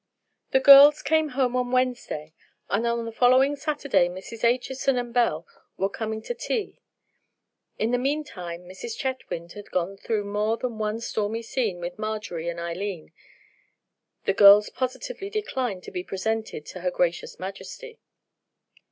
The girls came home on Wednesday, and on the following Saturday Mrs. Acheson and Belle were coming to tea. In the meantime Mrs. Chetwynd had gone through more than one stormy scene with Marjorie and Eileen. The girls positively declined to be presented to her gracious Majesty.